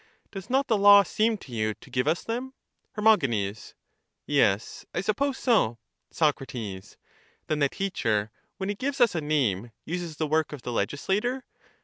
Does not the law seem to you to give us them? Her. Yes, I suppose so. Soc. Then the teacher, when he gives us a name, uses the work of the legislator?